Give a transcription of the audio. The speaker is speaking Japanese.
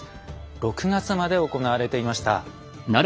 ６月まで行われていました。